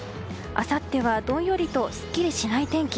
あさってはどんよりとすっきりしない天気。